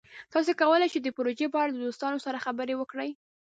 تاسو کولی شئ د پروژې په اړه د دوستانو سره خبرې وکړئ.